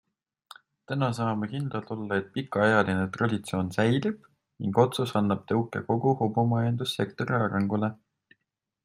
Täna saame kindlad olla, et pikaajaline traditsioon säilib ning otsus annab tõuke kogu hobumajandussektori arengule.